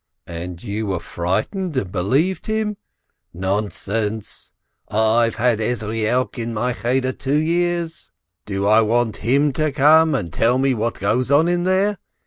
"And you were frightened and believed him? Non sense! I've had Ezrielk in my Cheder two years. Do I want him to come and tell me what goes on there